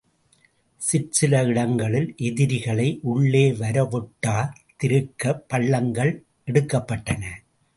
சிற்சில இடங்களில் எதிரிகளை உள்ளே வரவொட்டா திருக்கப் பள்ளங்கள் எடுக்கப்பட்டன.